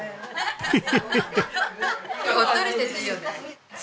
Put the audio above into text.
ヘヘヘヘ。